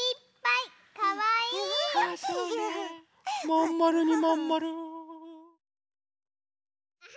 まんまるにまんまる。